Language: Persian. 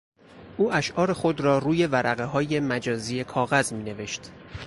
او اشعار خود را روی ورقههای مجزای کاغذ مینوشت.